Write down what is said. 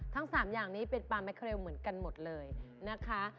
ทั้ง๓อย่างนี้เป็นปลาแมคเรลเหมือนกันหมดเลยนะคะ